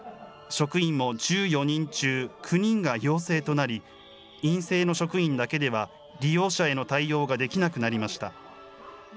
職員も１４人中９人が陽性となり、陰性の職員だけでは利用者への対応ができなくなりました。